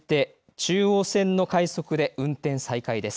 中央線の快速で運転再開です。